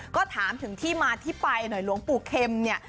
ก็ถามถึงที่มาที่ไปหน่อยหลวงปู่เข็มเนี่ย